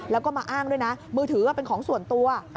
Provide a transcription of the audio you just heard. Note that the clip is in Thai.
แล้วก็มาอ้างด้วยนะมือถือเป็นของส่วนตัว